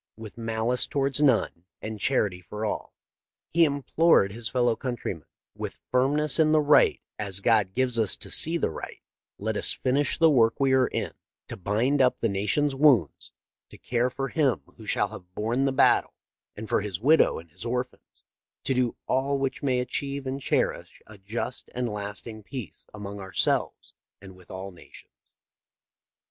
" With malice towards none, with charity for all," he implored his fellow countrymen, " with firmness in the right as God gives us to see the right, let us finish the work we are in, to bind up the nation's wounds, to care for him who shall have borne the battle and for his widow and his orphans, to do all which may achieve and cherish a just and a lasting peace among ourselves and with all nations."